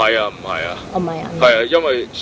ya karena hanya kelas imigrasi